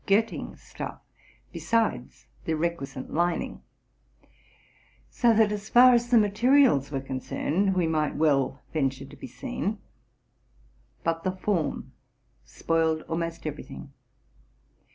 207 Gotting stuff, besides the requisite lining ; so that, as far as the materials were concerned, we might well venture to be seen. But the form spoiled almost every thing.